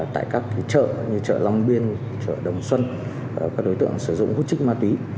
tại các chợ như chợ long biên chợ đồng xuân các đối tượng sử dụng hút trích ma túy